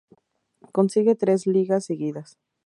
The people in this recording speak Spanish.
Consigue tres Ligas seguidas.